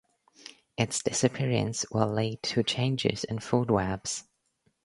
Its disappearance will lead to changes in food webs.